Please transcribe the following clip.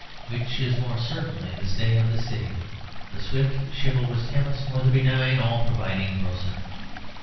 Which is more certainly the stay of the city, the swift chivalrous chemist or the benignant all providing grocer?